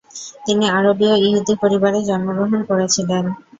তিনি আরবীয় ইহুদি পরিবারে জন্মগ্রহণ করেছিলেন।